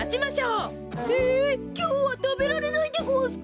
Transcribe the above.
ええきょうはたべられないでごわすか！